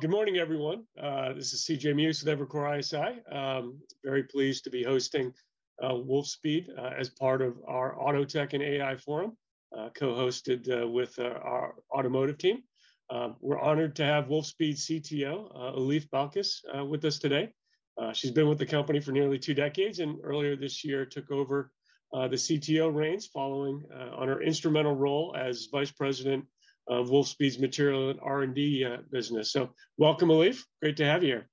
Good morning, everyone. This is CJ Muse with Evercore ISI. Very pleased to be hosting Wolfspeed as part of our AutoTech & AI Forum, co-hosted with our Automotive Team. We're honored to have Wolfspeed CTO, Elif Balkas, with us today. She's been with the company for nearly two decades, and earlier this year took over the CTO reins following on her instrumental role as Vice President of Wolfspeed's Material and R&D business. Welcome, Elif. Great to have you here.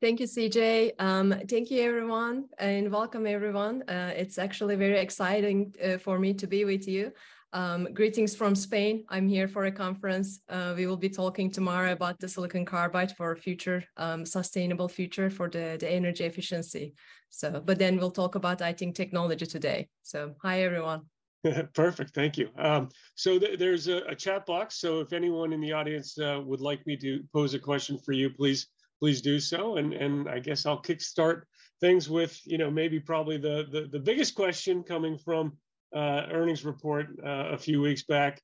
Thank you, CJ. Thank you, everyone, and welcome, everyone. It's actually very exciting for me to be with you. Greetings from Spain. I'm here for a conference. We will be talking tomorrow about the Silicon Carbide for future, sustainable future for the energy efficiency. We'll talk about, I think, technology today. Hi, everyone. Perfect. Thank you. There's a chat box, so if anyone in the audience would like me to pose a question for you, please do so. I guess I'll kickstart things with, you know, maybe probably the biggest question coming from earnings report a few weeks back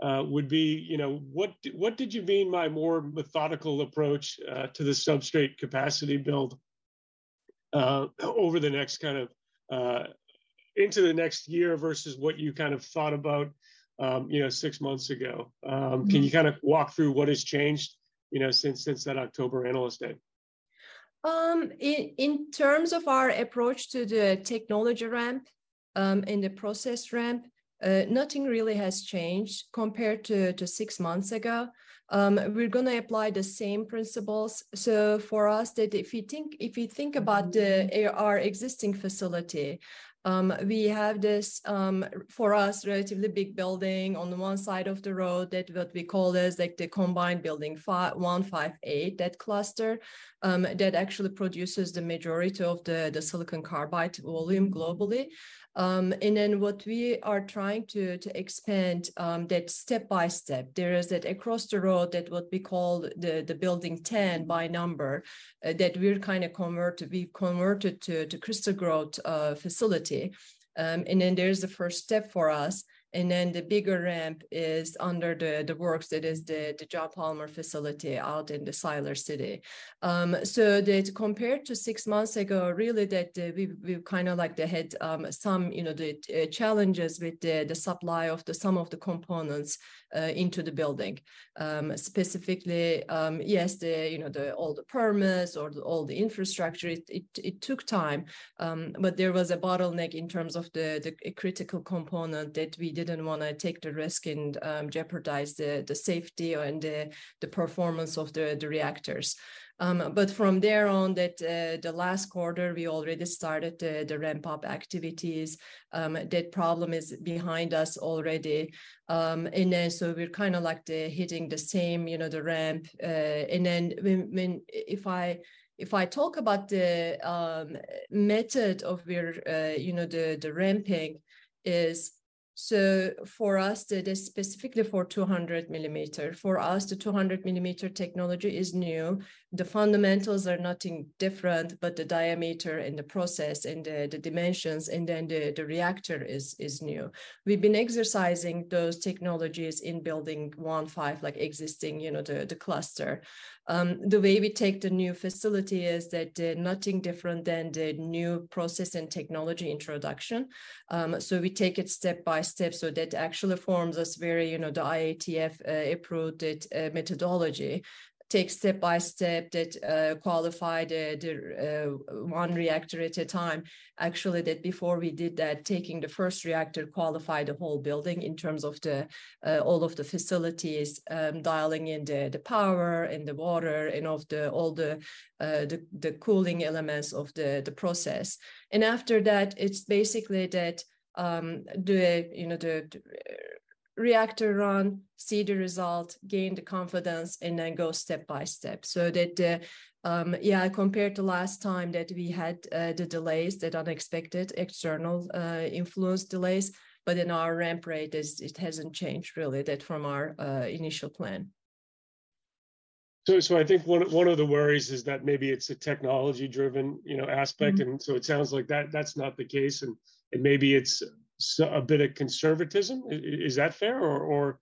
would be, you know, what did you mean by more methodical approach to the substrate capacity build over the next kind of into the next year versus what you kind of thought about, you know, six months ago? Can you kind of walk through what has changed, you know, since that October Analyst Day? In terms of our approach to the technology ramp and the process ramp, nothing really has changed compared to six months ago. We're gonna apply the same principles. For us that if you think about the, our existing facility, we have this for us relatively big building on the one side of the road that what we call as like the combined building 158, that cluster, that actually produces the majority of the Silicon Carbide volume globally. What we are trying to expand that step-by-step. There is that across the road that what we call the building 10 by number, that we're kind of we converted to crystal growth facility. There's the first step for us, and then the bigger ramp is under the works that is the John Palmour facility out in the Siler City. Compared to six months ago, really that, we've kind of like the had, some, you know, the, challenges with the supply of the some of the components, into the building. Specifically, yes, the, you know, the all the permits or all the Infrastructure, it, it took time. There was a bottleneck in terms of the critical component that we didn't wanna take the risk and jeopardize the safety and the performance of the reactors. From there on that, the last quarter we already started the ramp-up activities. That problem is behind us already. We're kind of like the hitting the same, you know, the ramp. When, when if I, if I talk about the method of where, you know, the ramping is so for us that is specifically for 200 mm. For us, the 200 mm technology is new. The fundamentals are nothing different, but the diameter and the process and the dimensions and then the reactor is new. We've been exercising those technologies in building one five eight, like existing, you know, the cluster. The way we take the new facility is that nothing different than the new process and technology introduction. We take it step-by-step, so that actually forms this very, you know, the IATF approved it methodology. Take step-by-step that qualify the one reactor at a time. Actually that before we did that, taking the first reactor qualify the whole building in terms of the all of the facilities, dialing in the power and the water and all the cooling elements of the process. After that it's basically that, you know, the reactor run, see the result, gain the confidence, and then go step-by-step. Yeah, compared to last time that we had the delays, that unexpected external influence delays. In our ramp rate is it hasn't changed really that from our initial plan. I think one of the worries is that maybe it's a technology driven, you know, aspect. Mm. It sounds like that's not the case. Maybe it's a bit of conservatism. Is that fair? Or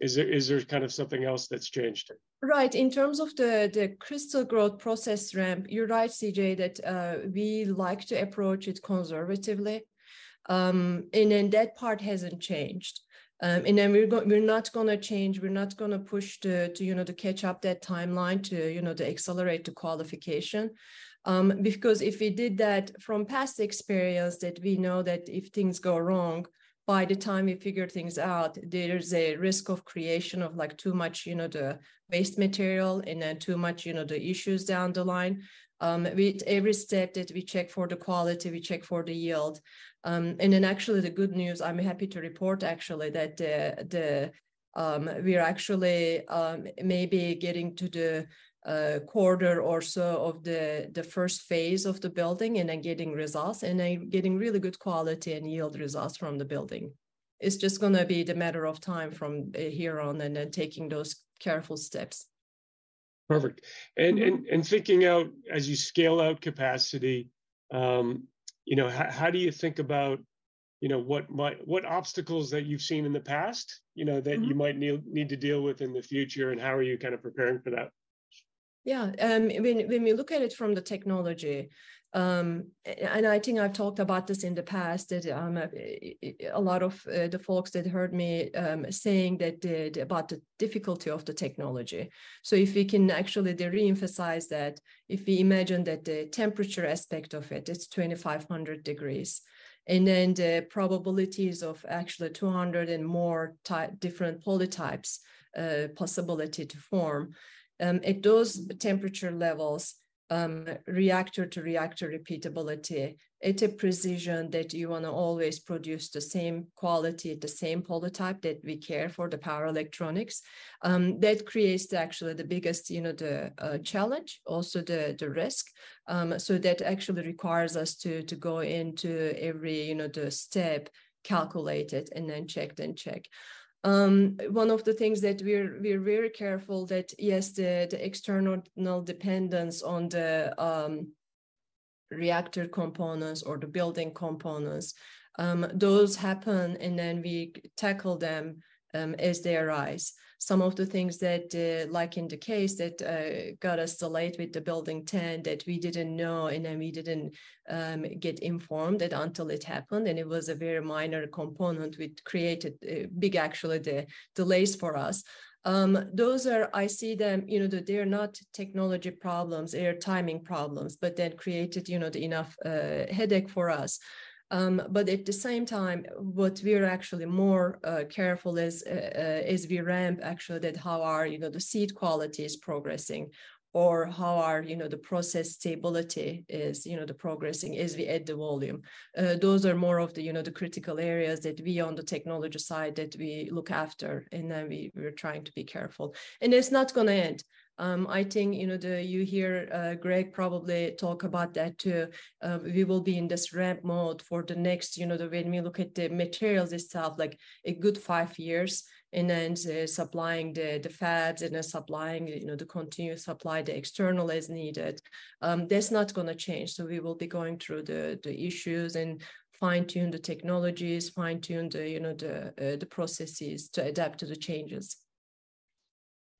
is there kind of something else that's changed? Right. In terms of the crystal growth process ramp, you're right, CJ, that we like to approach it conservatively. That part hasn't changed. We're not gonna change, we're not gonna push the, to, you know, to catch up that timeline to, you know, to accelerate the qualification. Because if we did that from past experience that we know that if things go wrong, by the time we figure things out, there's a risk of creation of like too much, you know, the waste material and too much, you know, the issues down the line. With every step that we check for the quality, we check for the yield. Actually the good news, I'm happy to report actually that we are actually maybe getting to the quarter or so of the first phase of the building and getting results, and getting really good quality and yield results from the building. It's just gonna be the matter of time from here on, taking those careful steps. Perfect. And thinking out as you scale out capacity, you know, how do you think about, you know, what obstacles that you've seen in the past, you know? Mm-hmm That you might need to deal with in the future, and how are you kind of preparing for that? Yeah. When we look at it from the technology, and I think I've talked about this in the past that a lot of the folks that heard me saying that about the difficulty of the technology. If we can actually re-emphasize that, if we imagine that the temperature aspect of it's 2,500 degrees, and then the probabilities of actually 200 and more different polytypes, possibility to form. At those temperature levels, reactor-to-reactor repeatability at a precision that you wanna always produce the same quality, the same polytype that we care for, the power electronics, that creates actually the biggest, you know, challenge, also the risk. That actually requires us to go into every, you know, step, calculate it, and then check, then check. One of the things that we're very careful that, yes, the external dependence on the reactor components or the building components, those happen, and then we tackle them as they arise. Some of the things that, like in the case that got us delayed with the Building 10 that we didn't know, and then we didn't get informed until it happened, and it was a very minor component which created a big, actually, the delays for us. Those are, I see them, you know, they're not technology problems, they are timing problems, but that created, you know, enough headache for us. But at the same time, what we're actually more careful is as we ramp, actually, that how are, you know, the seed quality is progressing, or how are, you know, the process stability is, you know, progressing as we add the volume. Those are more of the, you know, the critical areas that we on the technology side that we look after, and then we're trying to be careful. It's not gonna end. I think, you know, the, you hear Greg probably talk about that too, of we will be in this ramp mode for the next, you know, the way we look at the materials itself, like, a good five years, and then the supplying the fabs and the supplying, you know, the continuous supply, the external as needed. That's not gonna change. We will be going through the issues and fine-tune the technologies, fine-tune the, you know, the processes to adapt to the changes.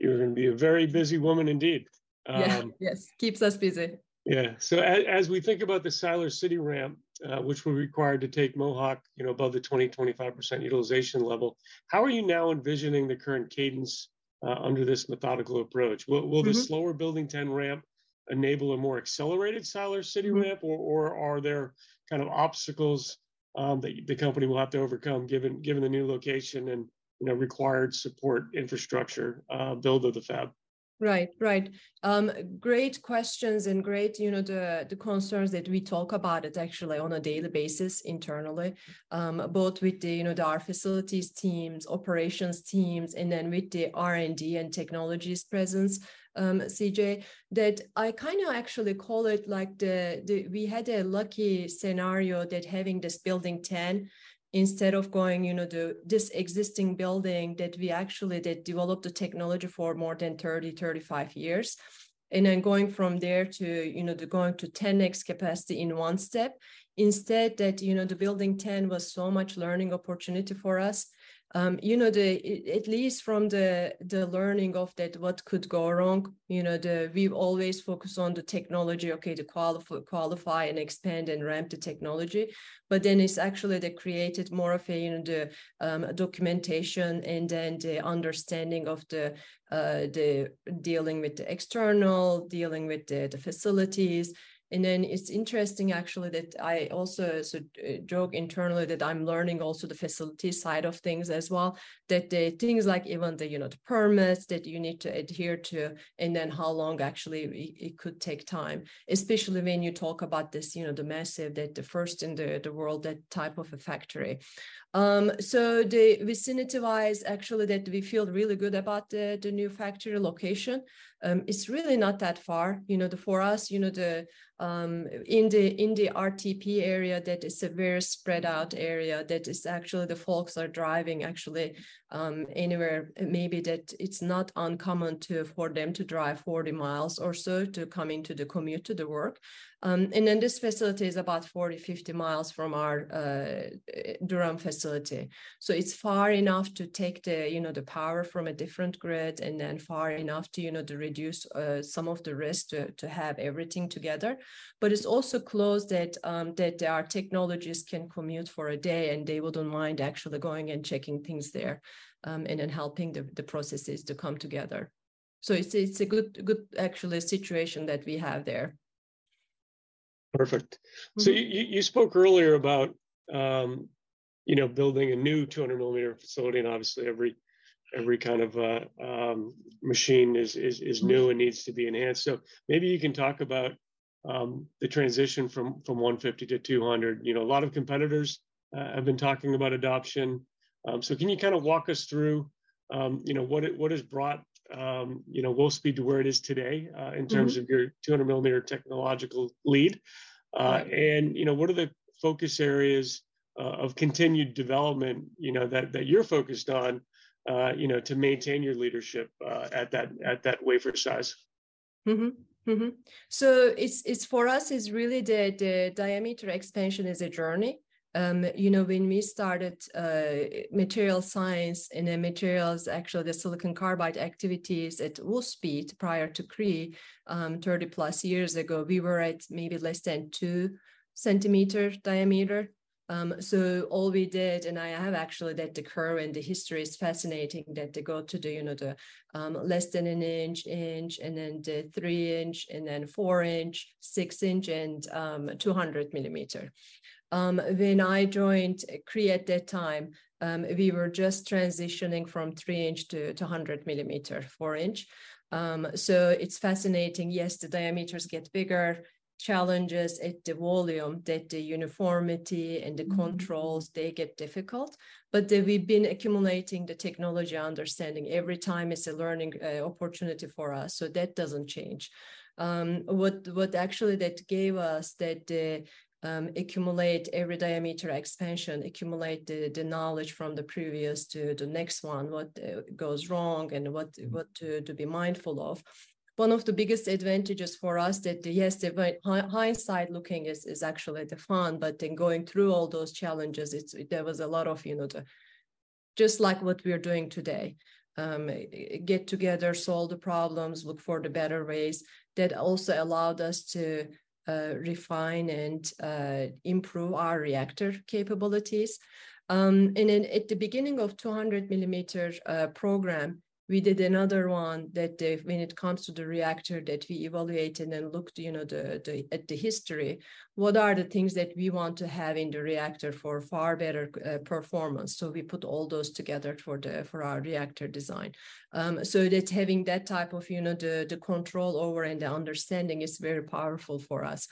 You're gonna be a very busy woman indeed. Yeah. Yes. Keeps us busy. Yeah. As we think about the Siler City ramp, which will require to take Mohawk, you know, above the 20%-25% utilization level, how are you now envisioning the current cadence under this methodical approach? Mm-hmm Will the slower Building 10 ramp enable a more accelerated Siler City ramp? Mm-hmm Or are there kind of obstacles that the company will have to overcome given the new location and, you know, required support infrastructure, build of the fab? Right. Right. Great questions and great, you know, the concerns that we talk about it actually on a daily basis internally, both with the, you know, our facilities teams, operations teams, and then with the R&D and technologies presence, CJ, that I kind of actually call it like we had a lucky scenario that having this Building 10 instead of going, this existing building that we actually did develop the technology for more than 30, 35 years, and then going from there to going to 10X capacity in one step, instead that the Building 10 was so much learning opportunity for us. You know, at least from the learning of that, what could go wrong, you know, we've always focused on the technology to qualify and expand and ramp the technology. It's actually that created more of a, you know, the documentation and then the understanding of the dealing with the external, dealing with the facilities. It's interesting actually that I also sort of joke internally that I'm learning also the facilities side of things as well, that the things like even the, you know, the permits that you need to adhere to, and then how long actually it could take time, especially when you talk about this, you know, the massive, that the first in the world, that type of a factory. The vicinity-wise, actually that we feel really good about the new factory location. It's really not that far, you know, for us, you know, in the RTP area, that is a very spread out area. That is actually the folks are driving actually, anywhere, maybe that it's not uncommon for them to drive 40 miles or so to come into the commute to the work. This facility is about 40 miles, 50 miles from our Durham facility. It's far enough to take the, you know, the power from a different grid, and then far enough to, you know, to reduce some of the risk to have everything together. It's also close that our technologists can commute for a day, and they wouldn't mind actually going and checking things there, helping the processes to come together. It's a good actually situation that we have there. Perfect. Mm-hmm. You spoke earlier about, you know, building a new 200 mm facility, obviously every kind of machine is new. Mm-hmm And needs to be enhanced. Maybe you can talk about the transition from 150 to 200. You know, a lot of competitors have been talking about adoption. Can you kind of walk us through, you know, what it, what has brought, you know, Wolfspeed to where it is today, in terms? Mm-hmm Of your 200 mm technological lead? Right And, you know, what are the focus areas of continued development, you know, that you're focused on, you know, to maintain your leadership, at that wafer size? Mm-hmm. Mm-hmm. It's, it's for us is really the diameter expansion is a journey. you know, when we started material science and then materials, actually the Silicon Carbide activities at Wolfspeed prior to Cree, 30-plus years ago, we were at maybe less than two centimeter diameter. All we did, and I have actually that the curve and the history is fascinating that to go to the, you know, the less than an inch, and then the three-inch, and then four-inch, six-inch, and 200 mm. When I joined Cree at that time, we were just transitioning from three-inch to 100 mm, four-inch. It's fascinating. Yes, the diameters get bigger, challenges at the volume that the uniformity and the- Mm-hmm Controls, they get difficult. We've been accumulating the technology understanding. Every time is a learning opportunity for us. That doesn't change. What actually that gave us that, accumulate every diameter expansion, accumulate the knowledge from the previous to the next one, what goes wrong and what. Mm What to be mindful of. One of the biggest advantages for us that, yes, hindsight looking is actually the fun. In going through all those challenges, it's, there was a lot of, you know, just like what we're doing today. Get together, solve the problems, look for the better ways. That also allowed us to refine and improve our reactor capabilities. At the beginning of 200 millimeters program, we did another one that when it comes to the reactor that we evaluated and looked, you know, at the history, what are the things that we want to have in the reactor for far better performance? We put all those together for our reactor design. That having that type of, you know, the control over and the understanding is very powerful for us.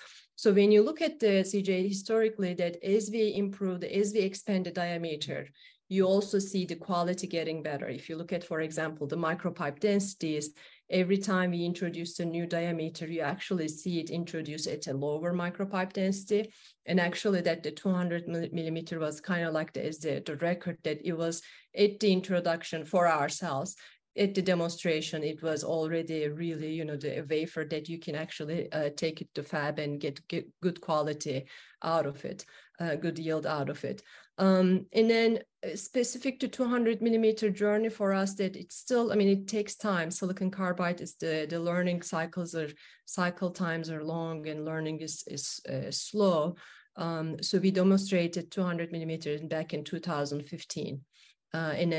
When you look at CJ Muse historically, that as we improve, as we expand the diameter, you also see the quality getting better. If you look at, for example, the micropipe densities, every time we introduce a new diameter, you actually see it introduce at a lower micropipe density. Actually, that the 200 millimeter was kind of like the, as the record that it was at the introduction for ourselves. At the demonstration, it was already really, you know, the wafer that you can actually take it to fab and get good quality out of it, good yield out of it. Then specific to 200 millimeter journey for us that it's still, I mean, it takes time. Silicon Carbide is the learning cycles are, cycle times are long, and learning is slow. We demonstrated 200 mm back in 2015.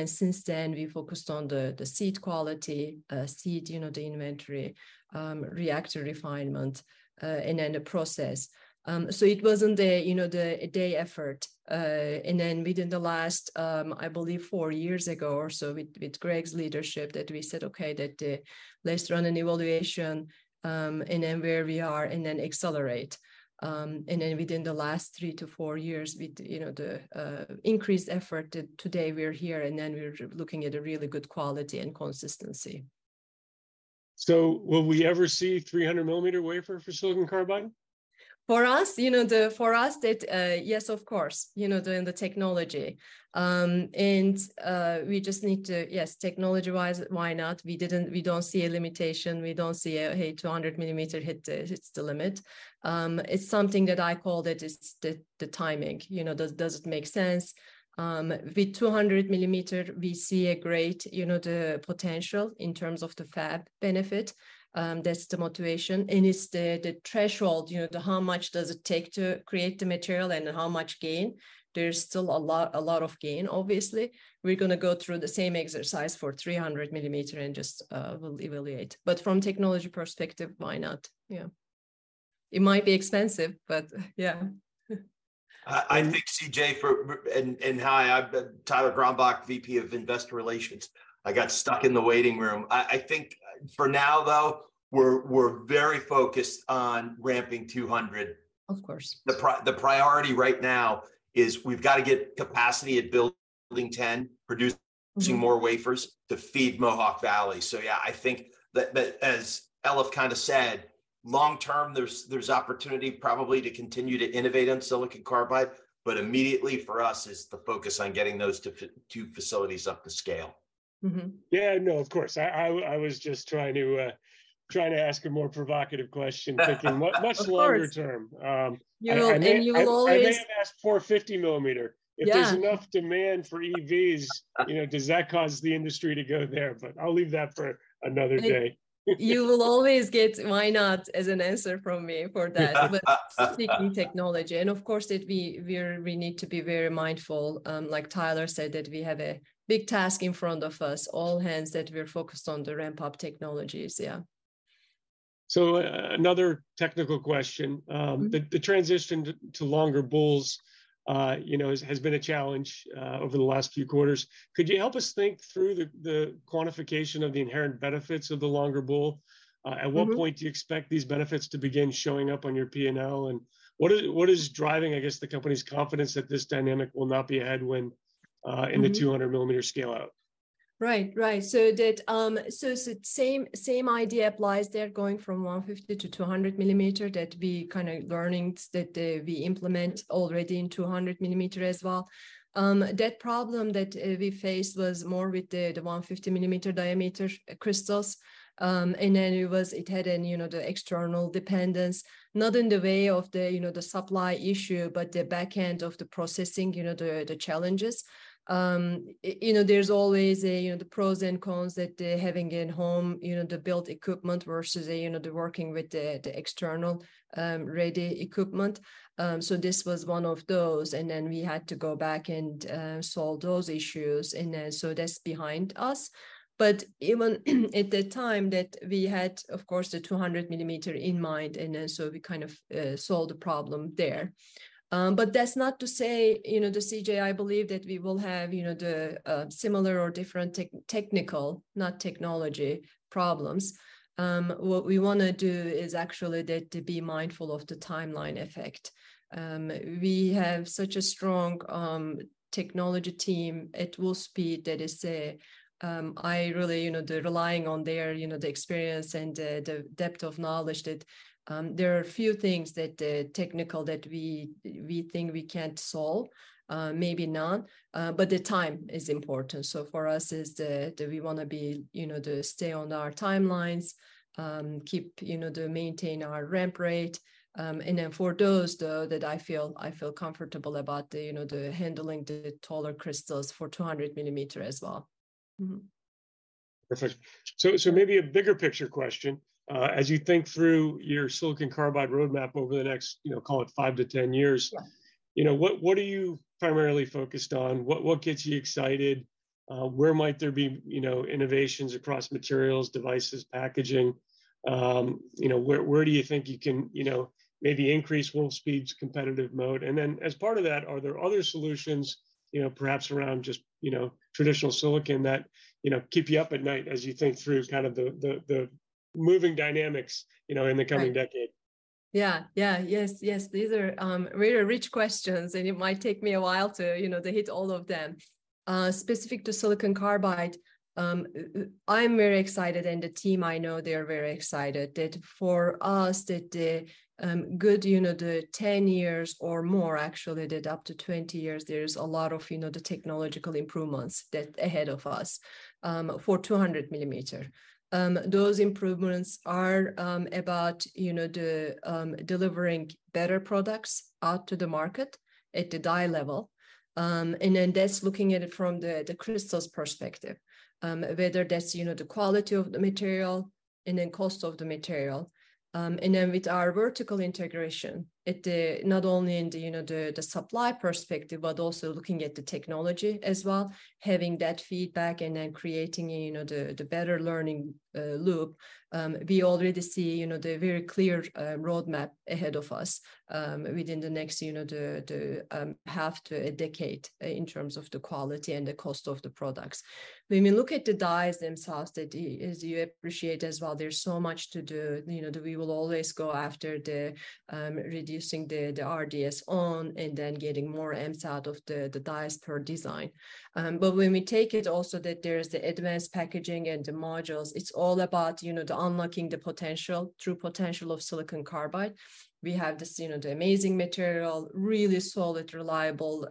Since then we focused on the seed quality, seed, you know, the inventory, reactor refinement, and then the process. It wasn't the, you know, the day effort. Within the last, I believe four years ago or so with Greg's leadership that we said, "Okay, that, let's run an evaluation, and then where we are, and then accelerate." Within the last three to four years with, you know, the increased effort that today we're here, and then we're looking at a really good quality and consistency. Will we ever see 300 mm wafer for Silicon Carbide? For us, you know, for us that, yes, of course, you know, doing the technology. We just need to, yes, technology-wise, why not? We don't see a limitation. We don't see a, hey, 200 mm hits the limit. It's something that I called it's the timing. You know, does it make sense? With 200 mm, we see a great, you know, the potential in terms of the fab benefit. That's the motivation, and it's the threshold, you know, the how much does it take to create the material and how much gain. There's still a lot of gain, obviously. We're gonna go through the same exercise for 300 mm and just, we'll evaluate. From technology perspective, why not? Yeah. It might be expensive, but yeah. I'm Tyler Gronbach, VP of Investor Relations. I got stuck in the waiting room. I think for now, though, we're very focused on ramping 200. Of course. The priority right now is we've got to get capacity at building 10, producing more wafers to feed Mohawk Valley. Yeah, I think that as Elif kind of said, long term, there's opportunity probably to continue to innovate on Silicon Carbide, but immediately for us is the focus on getting those two facilities up to scale. Mm-hmm. Yeah, no, of course. I was just trying to, trying to ask a more provocative question- Of course. Thinking what's longer term? You know, you will always. I may have asked 450 mm. Yeah. If there's enough demand for EVs-... you know, does that cause the industry to go there? I'll leave that for another day. You will always get why not as an answer from me for that. Speaking technology, and of course that we need to be very mindful, like Tyler said, that we have a big task in front of us, all hands that we're focused on the ramp-up technologies, yeah. Another technical question. Mm-hmm. The transition to longer boules, you know, has been a challenge over the last few quarters. Could you help us think through the quantification of the inherent benefits of the longer boules? Mm-hmm. At what point do you expect these benefits to begin showing up on your P&L, and what is driving, I guess, the company's confidence that this dynamic will not be a headwind? Mm-hmm In the 200 mm scale out? Right, right. That so same idea applies there going from 150 to 200 mm that we kind of learning that we implement already in 200 mm as well. That problem that we faced was more with the 150 mm Diameter Crystals. It was, it had an, you know, the external dependence, not in the way of the, you know, the supply issue, but the back end of the processing, you know, the challenges. You know, there's always a, you know, the pros and cons that having in home, you know, the built equipment versus a, you know, the working with the external ready equipment. This was one of those, we had to go back and solve those issues, and so that's behind us. Even at the time that we had, of course, the 200 mm in mind, we kind of solved the problem there. That's not to say, you know, CJ, I believe that we will have, you know, similar or different technical, not technology, problems. What we wanna do is actually that to be mindful of the timeline effect. We have such a strong technology team at Wolfspeed that is, I really, you know, they're relying on their, you know, the experience and the depth of knowledge that there are few things that the technical that we think we can't solve, maybe none, but the time is important. For us, we wanna be, you know, to stay on our timelines, keep, you know, to maintain our ramp rate. For those, though, that I feel comfortable about you know, handling the taller crystals for 200 mm as well. Perfect. Maybe a bigger picture question. As you think through your Silicon Carbide roadmap over the next, you know, call it 5-10 years. Yeah You know, what are you primarily focused on? What gets you excited? Where might there be, you know, innovations across materials, devices, packaging? You know, where do you think you can, you know, maybe increase Wolfspeed's competitive mode? Then as part of that, are there other solutions, you know, perhaps around just, you know, traditional silicon that, you know, keep you up at night as you think through kind of the moving dynamics, you know, in the coming decade? Yeah, yeah. Yes, yes. These are very rich questions, and it might take me a while to, you know, to hit all of them. Specific to Silicon Carbide, I'm very excited, and the team I know they are very excited that for us that the, you know, the 10 years or more, actually that up to 20 years, there's a lot of, you know, the technological improvements that ahead of us, for 200 mm. Those improvements are about, you know, the delivering better products out to the market at the die level. Then that's looking at it from the crystal's perspective, whether that's, you know, the quality of the material and then cost of the material. Then with our vertical integration at the, not only in the, you know, the supply perspective, but also looking at the technology as well, having that feedback and then creating, you know, the better learning loop, we already see, you know, the very clear roadmap ahead of us, within the next, you know, half to 1 decade, in terms of the quality and the cost of the products. When we look at the dies themselves that as you appreciate as well, there's so much to do, you know, that we will always go after the reducing the RDS on and then getting more amps out of the dies per design. When we take it also that there's the advanced packaging and the modules, it's all about, you know, the unlocking the potential, true potential of Silicon Carbide. We have this, you know, the amazing material, really solid, reliable,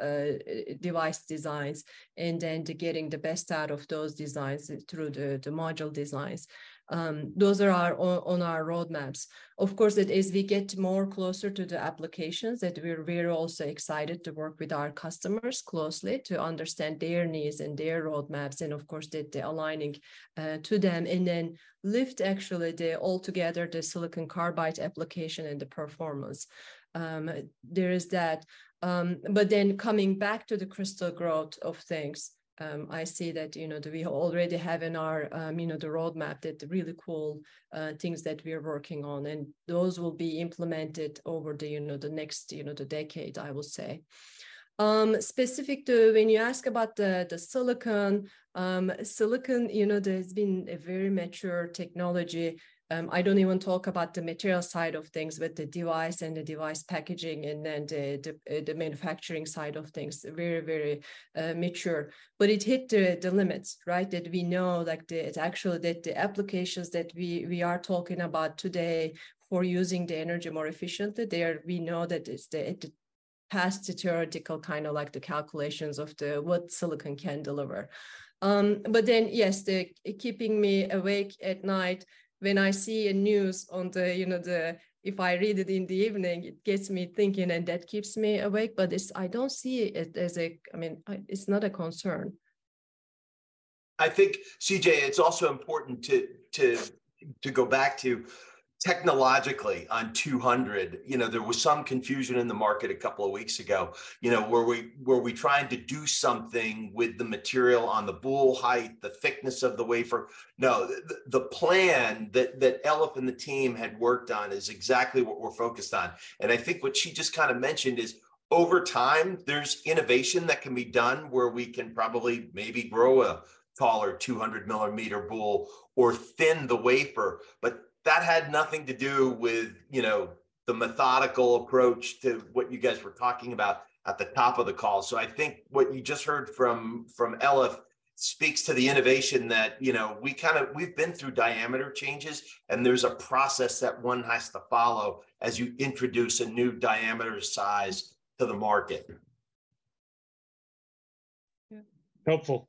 device designs, and then to getting the best out of those designs through the module designs. Those are our on our roadmaps. Of course, it is we get more closer to the applications that we're also excited to work with our customers closely to understand their needs and their roadmaps and of course that the aligning to them, and then lift actually the altogether the Silicon Carbide application and the performance. There is that. Coming back to the crystal growth of things, I see that we already have in our roadmap that really cool things that we are working on. Those will be implemented over the next decade, I will say. Specific to when you ask about the silicon that has been a very mature technology. I don't even talk about the material side of things with the device and the device packaging and then the manufacturing side of things, very mature. It hit the limits, right? That we know like the, it's actually that the applications that we are talking about today for using the energy more efficiently, they are, we know that it's the past theoretical kind of like the calculations of the what silicon can deliver. Yes, the keeping me awake at night when I see a news on the, you know, the, if I read it in the evening, it gets me thinking, and that keeps me awake, but it's, I don't see it as a, I mean, I, it's not a concern. I think, CJ, it's also important to go back to technologically on 200. You know, there was some confusion in the market a couple of weeks ago, you know. Were we trying to do something with the material on the boules height, the thickness of the wafer? No. The plan that Elif and the team had worked on is exactly what we're focused on. I think what she just kind of mentioned is, over time, there's innovation that can be done where we can probably maybe grow a taller 200-millimeter boules or thin the wafer, but that had nothing to do with, you know, the methodical approach to what you guys were talking about at the top of the call. I think what you just heard from Elif speaks to the innovation that, you know, we've been through diameter changes, and there's a process that one has to follow as you introduce a new diameter size to the market. Helpful.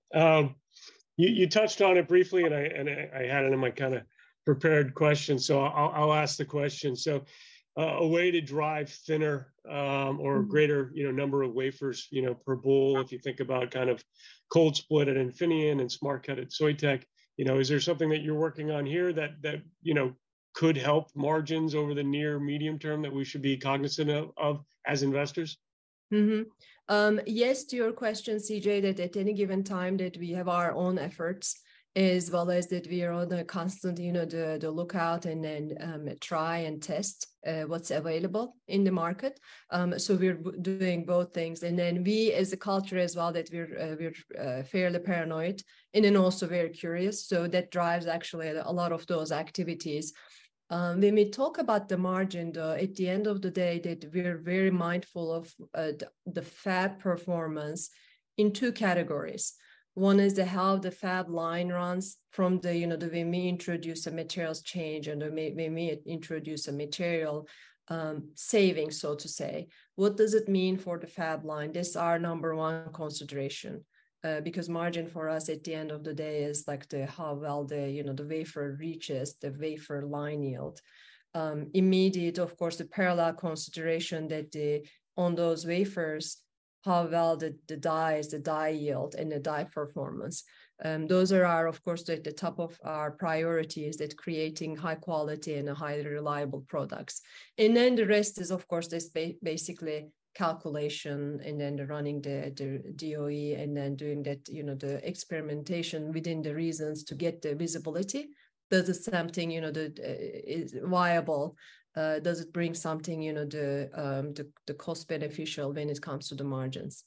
you touched on it briefly, and I, and I had it in my kind of prepared questions, I'll ask the question. A, a way to drive thinner, or greater, you know, number of wafers, you know, per boules if you think about kind of Cold Split at Infineon and Smart Cut at Soitec. You know, is there something that you're working on here that, you know, could help margins over the near, medium term that we should be cognizant of as investors? Yes to your question, CJ, that at any given time that we have our own efforts as well as that we are on a constant, you know, the lookout, and then try and test what's available in the market. We're doing both things. We as a culture as well that we're fairly paranoid and then also very curious, so that drives actually a lot of those activities. When we talk about the margin, though, at the end of the day that we're very mindful of the fab performance in two categories. One is the how the fab line runs from the, you know, that we may introduce a materials change, and we may introduce a material saving so to say. What does it mean for the fab line? This our number one consideration, because margin for us at the end of the day is like the how well the, you know, the wafer reaches the wafer line yield. Immediate, of course, the parallel consideration that the, on those wafers, how well the die is, the die yield, and the die performance. Those are our, of course, the top of our priority is that creating high quality and highly reliable products. The rest is of course this basically calculation and then the running the DOE and then doing that, you know, the experimentation within the reasons to get the visibility. Does something, you know, that is viable, does it bring something, you know, the cost beneficial when it comes to the margins?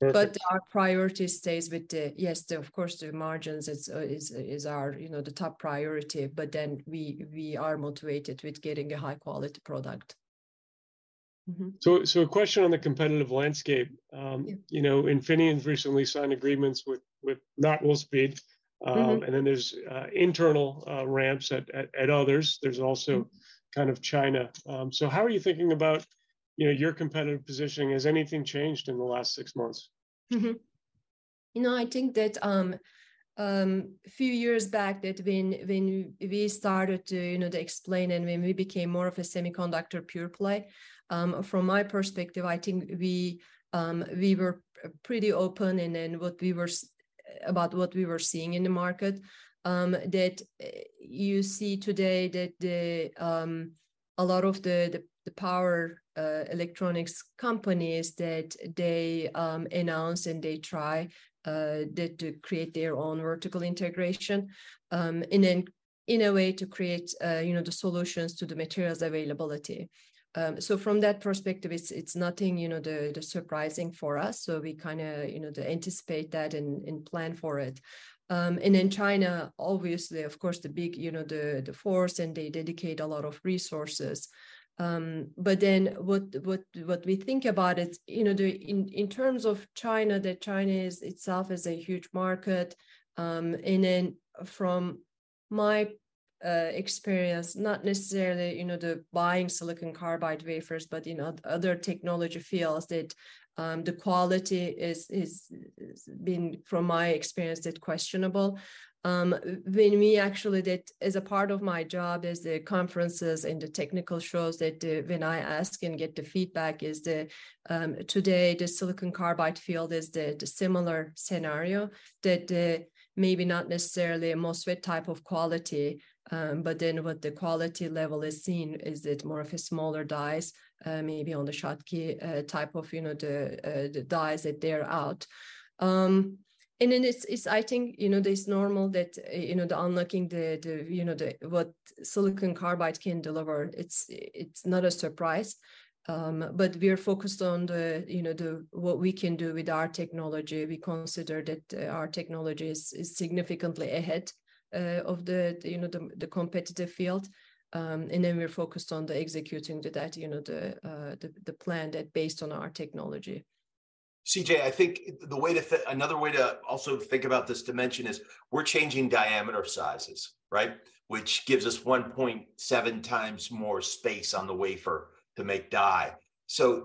Does it? Our priority stays with the, yes, the of course the margins is our, you know, the top priority. A question on the competitive landscape. Yeah You know, Infineon's recently signed agreements with not Wolfspeed. Mm-hmm. there's internal ramps at others. Mm Kind of China. How are you thinking about, you know, your competitive positioning? Has anything changed in the last six months? You know, I think that, few years back that when we started to, you know, to explain and when we became more of a semiconductor pure play, from my perspective I think we were pretty open in what we were about what we were seeing in the market, that you see today that the, a lot of the, the power electronics companies that they, announce and they try to create their own vertical integration, and then in a way to create, you know, the solutions to the materials availability. From that perspective it's nothing, you know, the surprising for us, so we kind of, you know, anticipate that and plan for it. In China, obviously of course, the big, you know, the force, and they dedicate a lot of resources. What we think about it, you know, in terms of China, that China is itself is a huge market. From my experience, not necessarily, you know, buying Silicon Carbide wafers but, you know, other technology fields that the quality is been from my experience is questionable. When we actually that as a part of my job is the conferences and the technical shows that, when I ask and get the feedback is the, today the Silicon Carbide field is the similar scenario that, maybe not necessarily a most fit type of quality, but then what the quality level is seen is it more of a smaller dies, maybe on the Schottky type of, you know, the dies that they're out. It's I think, you know, that it's normal that, you know, the unlocking the what Silicon Carbide can deliver. It's not a surprise. We're focused on the, you know, the what we can do with our technology. We consider that our technology is significantly ahead of the, you know, the competitive field. we're focused on the executing, you know, the plan that based on our technology. CJ, I think the way to another way to also think about this dimension is we're changing diameter sizes, right? Which gives us 1.7 times more space on the wafer to make die.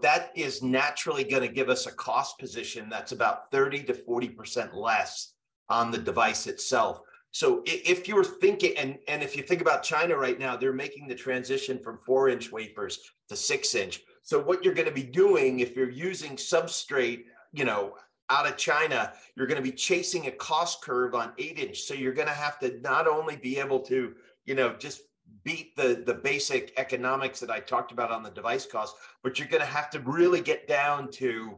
That is naturally gonna give us a cost position that's about 30%-40% less on the device itself. If you're thinking, and if you think about China right now, they're making the transition from four-inch wafers to six-inch. What you're gonna be doing if you're using substrate, you know, out of China, you're gonna be chasing a cost curve on eight-inch. You're gonna have to not only be able to, you know, just beat the basic economics that I talked about on the device cost, but you're gonna have to really get down to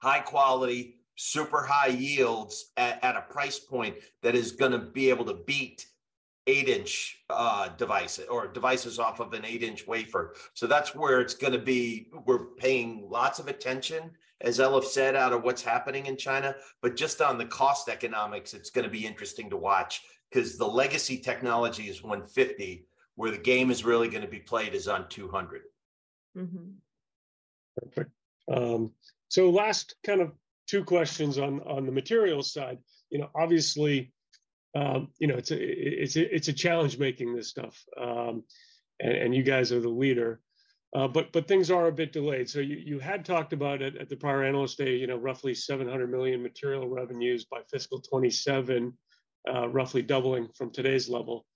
high quality, super high yields at a price point that is gonna be able to beat eight-inch, uh, device or devices off of an eight-inch wafer. That's where it's gonna be. We're paying lots of attention, as Elif said, out of what's happening in China. Just on the cost economics, it's gonna be interesting to watch, 'cause the legacy technology is 150, where the game is really gonna be played is on 200. Mm-hmm. Perfect. Last kind of two questions on the materials side. You know, it's a challenge making this stuff, and you guys are the leader. Things are a bit delayed. You had talked about it at the prior Analyst Day, you know, roughly $700 million material revenues by fiscal 2027, roughly doubling from today's level.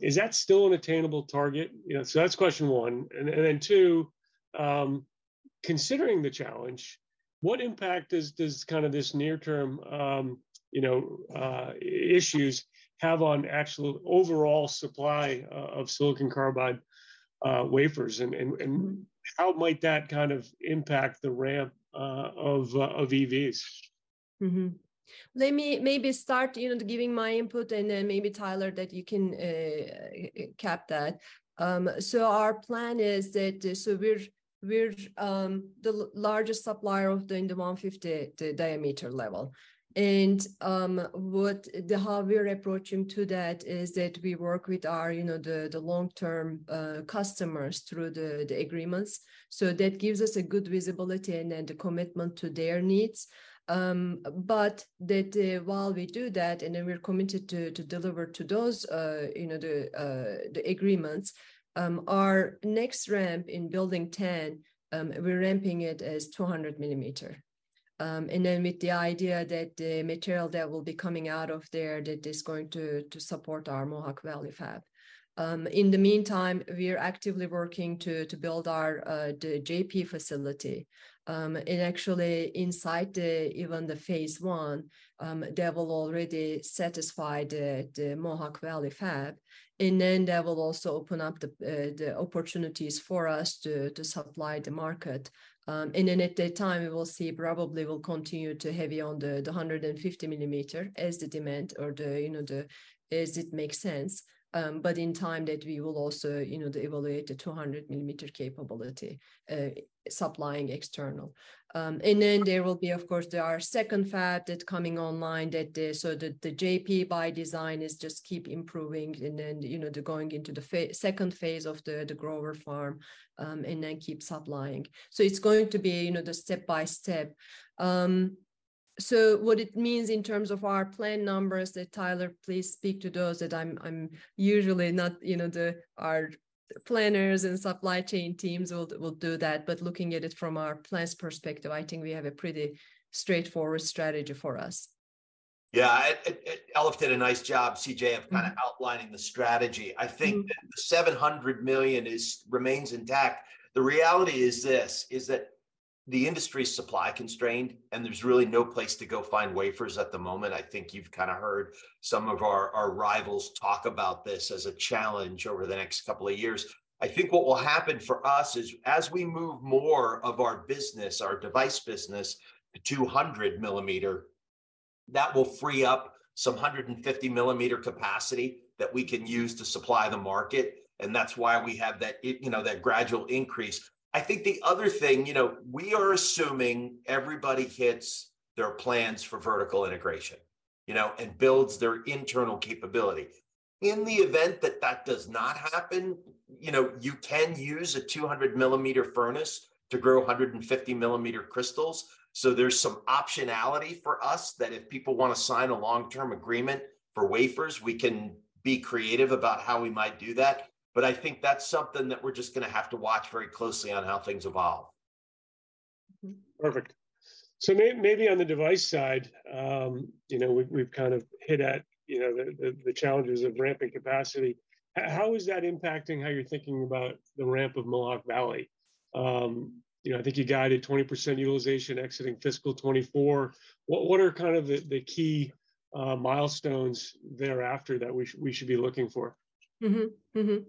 Is that still an attainable target? You know, that's question one. Then two, considering the challenge, what impact does kind of this near-term, you know, issues have on actual overall supply of Silicon Carbide wafers? How might that kind of impact the ramp of EVs? Let me maybe start, you know, giving my input, and then maybe Tyler that you can cap that. Our plan is that we're the largest supplier of the, in the 150 diameter level. How we're approaching to that is that we work with our, you know, the long-term customers through the agreements. So that gives us a good visibility and then the commitment to their needs. While we do that, we're committed to deliver to those, you know, the agreements. Our next ramp in building 10, we're ramping it as 200 mm. With the idea that the material that will be coming out of there that is going to support our Mohawk Valley fab. In the meantime, we are actively working to build our The JP facility. Actually inside even the phase one, that will already satisfy the Mohawk Valley fab. That will also open up the opportunities for us to supply the market. At that time, we will see probably will continue to heavy on the 150 mm as the demand or, you know, as it makes sense. In time that we will also, you know, to evaluate the 200 mm capability, supplying external. There will be, of course, there are second fab that's coming online that, so the JP by design is just keep improving and then, you know, the going into the second phase of the grover farm, and then keep supplying. It's going to be, you know, the step-by-step. What it means in terms of our plan numbers that, Tyler, please speak to those that I'm usually not, you know, our planners and supply chain teams will do that. Looking at it from our plans perspective, I think we have a pretty straightforward strategy for us. Yeah. It, Elif did a nice job, CJ Muse, of kind of outlining the strategy. I think that the $700 million is, remains intact. The reality is this, is that the industry's supply constrained. There's really no place to go find wafers at the moment. I think you've kinda heard some of our rivals talk about this as a challenge over the next couple of years. I think what will happen for us is as we move more of our business, our device business to 200 mm, that will free up some 150 mm capacity that we can use to supply the market. That's why we have that, you know, that gradual increase. I think the other thing, you know, we are assuming everybody hits their plans for vertical integration, you know, builds their internal capability. In the event that that does not happen, you know, you can use a 200 mm furnace to grow 150 mm crystals. There's some optionality for us that if people wanna sign a long-term agreement for wafers, we can be creative about how we might do that. I think that's something that we're just gonna have to watch very closely on how things evolve. Perfect. maybe on the device side, you know, we've kind of hit at, you know, the challenges of ramping capacity. How is that impacting how you're thinking about the ramp of Mohawk Valley? you know, I think you guided 20% utilization exiting fiscal 2024. What are kind of the key milestones thereafter that we should be looking for? The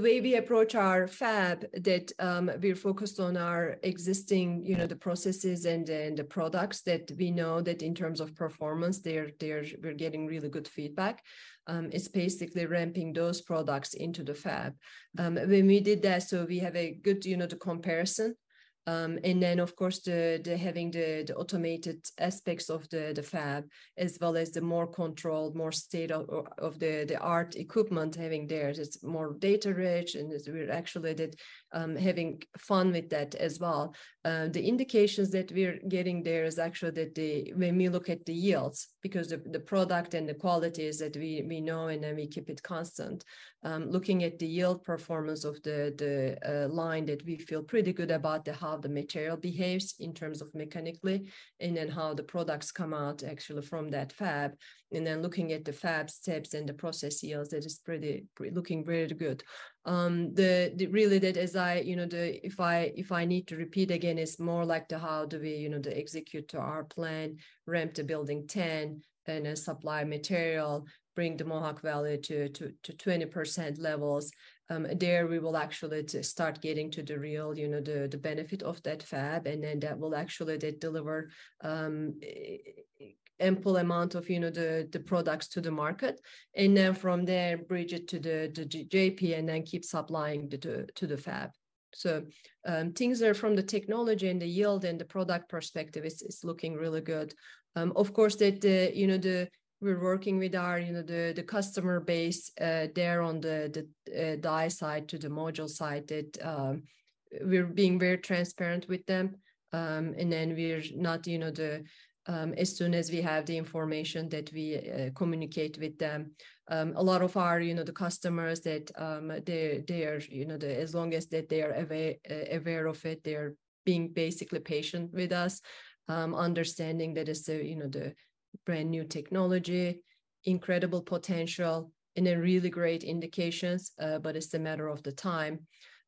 way we approach our fab that, we're focused on our existing, you know, the processes and then the products that we know that in terms of performance, they're we're getting really good feedback. It's basically ramping those products into the fab. When we did that, we have a good, you know, the comparison. Then of course the having the automated aspects of the fab as well as the more controlled, more state of the art equipment having there. It's more data rich, and it's we're actually that, having fun with that as well. The indications that we're getting there is actually that the, when we look at the yields, because the product and the quality is that we know and then we keep it constant. Looking at the yield performance of the line that we feel pretty good about how the material behaves in terms of mechanically and then how the products come out actually from that fab. Looking at the fab steps and the process yields, that is looking really good. If I need to repeat again, it's more like how do we execute to our plan, ramp the building ten, and then supply material, bring the Mohawk Valley to 20% levels. There we will actually to start getting to the real benefit of that fab, that will actually deliver ample amount of products to the market. From there, bridge it to The JP and then keep supplying to the fab. Things are from the technology and the yield and the product perspective, it's looking really good. Of course that, you know, we're working with our, you know, the customer base, there on the die side to the module side that, we're being very transparent with them. We're not, you know, as soon as we have the information that we communicate with them. A lot of our, you know, the customers that, they are, you know, as long as that they are aware of it, they're being basically patient with us, understanding that it's a, you know, brand-new technology, incredible potential and a really great indications, but it's a matter of the time.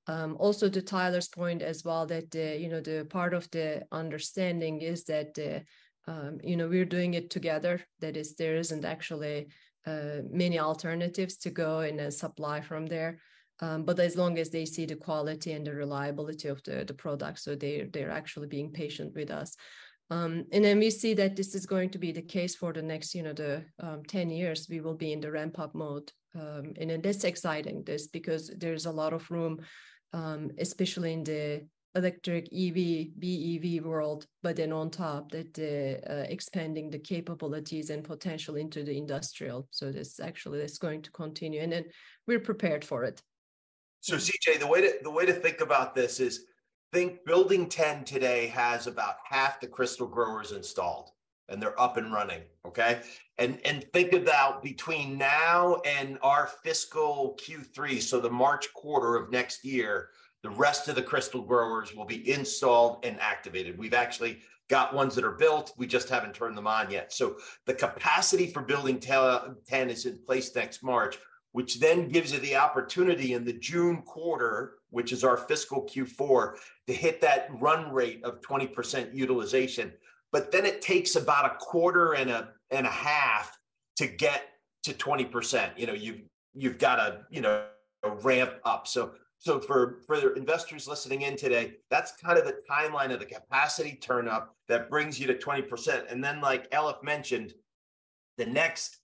Also to Tyler's point as well that, you know, part of the understanding is that, you know, we're doing it together, that is there isn't actually many alternatives to go and supply from there. As long as they see the quality and the reliability of the product, so they're actually being patient with us. We see that this is going to be the case for the next, you know, the 10 years we will be in the ramp-up mode. That's exciting, this, because there's a lot of room, especially in the electric EV, BEV world, but then on top that, expanding the capabilities and potential into the industrial. That's going to continue. We're prepared for it. CJ, the way to think about this is think Building 10 today has about half the crystal growers installed, and they're up and running, okay? Think about between now and our fiscal Q3, so the March quarter of next year, the rest of the crystal growers will be installed and activated. We've actually got ones that are built. We just haven't turned them on yet. The capacity for Building 10 is in place next March, which then gives you the opportunity in the June quarter, which is our fiscal Q4, to hit that run rate of 20% utilization. It takes about a quarter and a half to get to 20%. You know, you've got to, you know, ramp up. For investors listening in today, that's kind of the timeline of the capacity turnup that brings you to 20%. Like Elif mentioned, the next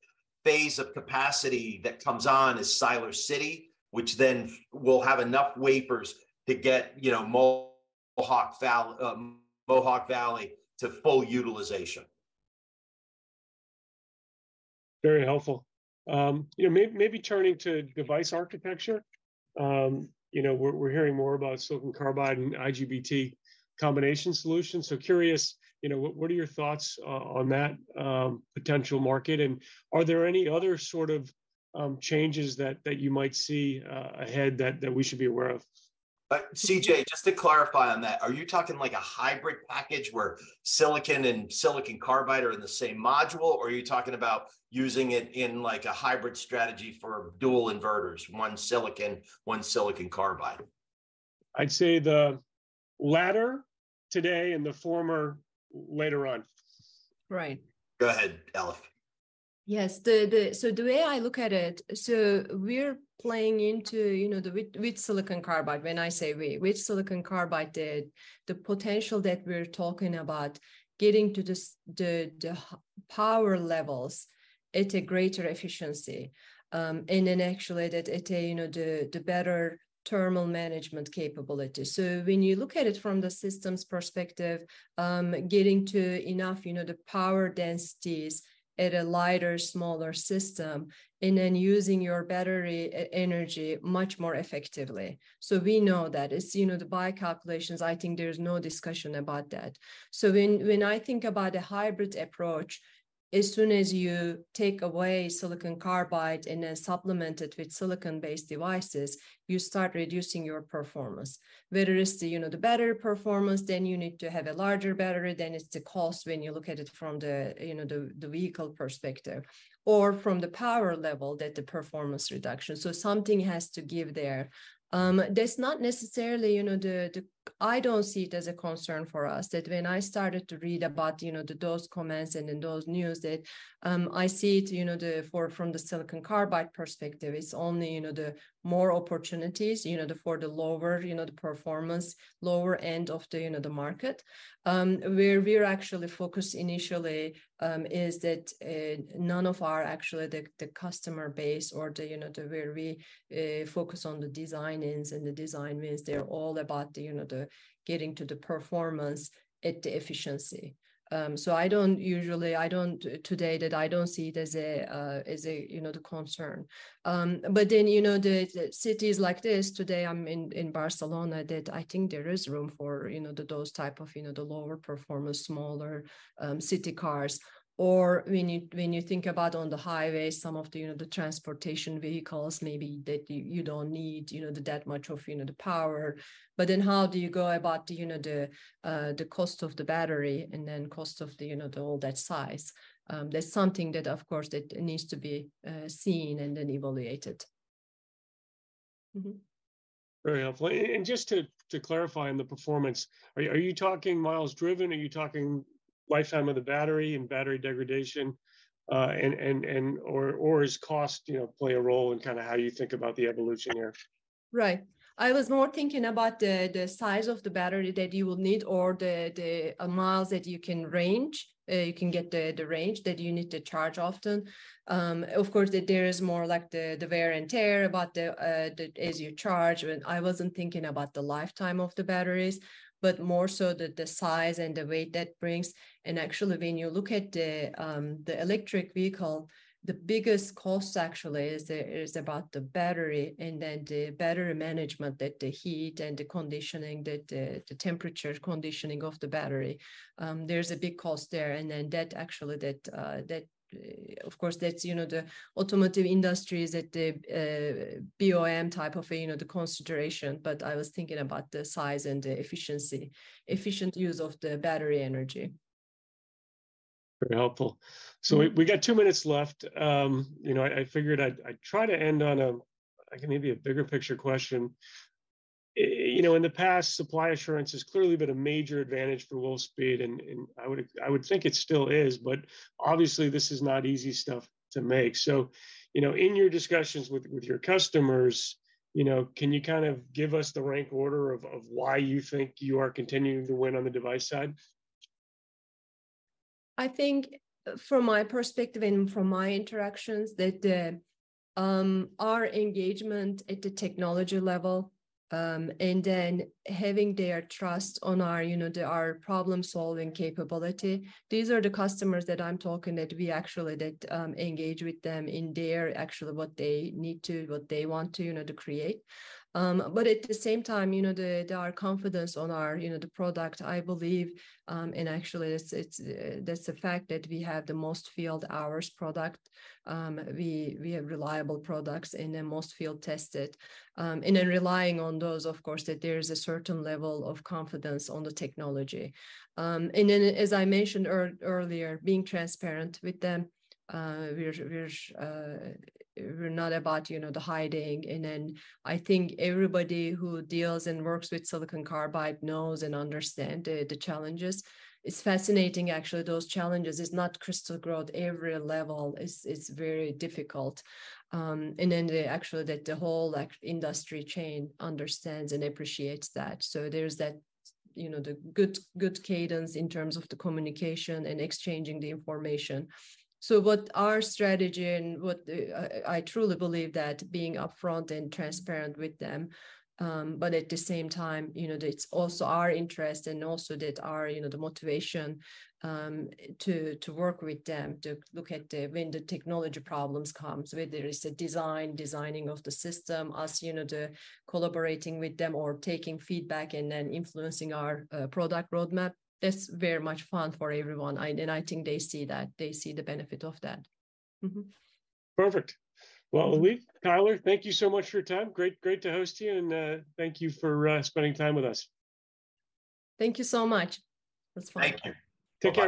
phase of capacity that comes on is Siler City, which will have enough wafers to get, you know, Mohawk Valley to full utilization. Very helpful. you know, maybe turning to device architecture, you know, we're hearing more about Silicon Carbide and IGBT combination solutions. Curious, you know, what are your thoughts on that, potential market, and are there any other sort of changes that you might see ahead that we should be aware of? CJ, just to clarify on that, are you talking like a hybrid package where silicon and Silicon Carbide are in the same module, or are you talking about using it in like a hybrid strategy for dual inverters, one silicon, one Silicon Carbide? I'd say the latter today and the former later on. Right. Go ahead, Elif. Yes. The way I look at it, we're playing into, you know, with Silicon Carbide, when I say we, with Silicon Carbide the potential that we're talking about getting to the power levels at a greater efficiency, and then actually that at a, you know, the better thermal management capability. When you look at it from the systems perspective, getting to enough, you know, the power densities at a lighter, smaller system and then using your battery energy much more effectively. We know that. It's, you know, the by calculations, I think there's no discussion about that. When I think about a hybrid approach, as soon as you take away Silicon Carbide and then supplement it with silicon-based devices, you start reducing your performance. Whether it's the, you know, the battery performance, then you need to have a larger battery, then it's the cost when you look at it from the, you know, the vehicle perspective, or from the power level that the performance reduction. Something has to give there. That's not necessarily, you know, I don't see it as a concern for us, that when I started to read about, you know, the those comments and then those news that, I see it, you know, the for, from the Silicon Carbide perspective, it's only, you know, the more opportunities, you know, the for the lower, you know, the performance, lower end of the, you know, the market. Where we're actually focused initially is that none of our actually the customer base or the, you know, where we focus on the design-ins and the design-wins, they're all about the, you know, getting to the performance at the efficiency. So I don't usually, I don't today that I don't see it as a, as a, you know, concern. But then, you know, the cities like this, today I'm in Barcelona, that I think there is room for, you know, those type of, you know, lower performance, smaller, city cars. Or when you think about on the highway, some of the, you know, transportation vehicles maybe that you don't need, you know, that much of, you know, power. How do you go about, you know, the cost of the battery and then cost of the, you know, the all that size? That's something that of course that needs to be seen and then evaluated. Mm-hmm. Very helpful. Just to clarify on the performance, are you talking miles driven? Are you talking lifetime of the battery and battery degradation? Or is cost, you know, play a role in kind of how you think about the evolution here? Right. I was more thinking about the size of the battery that you will need or the miles that you can range, you can get the range that you need to charge often. Of course, there is more, like, the wear and tear about the, as you charge. When I wasn't thinking about the lifetime of the batteries, but more so the size and the weight that brings. Actually when you look at the electric vehicle, the biggest cost actually is the, is about the battery, and then the battery management, that the heat and the conditioning, that the temperature conditioning of the battery. There's a big cost there, that actually, that, of course, that's, you know, the automotive industries that the BOM type of, you know, the consideration. I was thinking about the size and the efficiency, efficient use of the battery energy. Very helpful. Mm-hmm. We got 2 minutes left. You know, I figured I'd try to end on a, like, maybe a bigger picture question. You know, in the past, supply assurance has clearly been a major advantage for Wolfspeed, and I would think it still is, but obviously this is not easy stuff to make. You know, in your discussions with your customers, you know, can you kind of give us the rank order of why you think you are continuing to win on the device side? I think from my perspective and from my interactions that our engagement at the technology level, and then having their trust on our, you know, our problem-solving capability, these are the customers that I'm talking that we actually engage with them in their actually what they need to, what they want to, you know, to create. But at the same time, you know, our confidence on our, you know, product, I believe, and actually it's, that's the fact that we have the most field hours product. We have reliable products, and they're most field tested. In relying on those, of course, that there is a certain level of confidence on the technology. As I mentioned earlier, being transparent with them, we're not about, you know, hiding. I think everybody who deals and works with Silicon Carbide knows and understand the challenges. It's fascinating actually, those challenges. It's not crystal growth. Every level is very difficult. They actually, the whole, like, industry chain understands and appreciates that. There's that, you know, the good cadence in terms of the communication and exchanging the information. What our strategy and what I truly believe that being upfront and transparent with them, at the same time, you know, it's also our interest and also that our, you know, the motivation, to work with them, to look at the, when the technology problems comes, whether it's designing of the system, us, you know, the collaborating with them or taking feedback and then influencing our product roadmap. That's very much fun for everyone.AI think they see that. They see the benefit of that. Mm-hmm. Perfect. Well, Elif Balkas, thank you so much for your time. Great to host you, and thank you for spending time with us. Thank you so much. It was fun. Thank you. Take care.